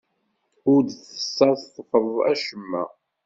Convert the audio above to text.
Ur d-tessadfeḍ acemma.